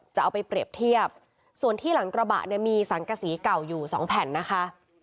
จะเอาไปเปรียบเทียบส่วนที่หลังกระบะเนี่ยมีสังกษีเก่าอยู่สองแผ่นนะคะ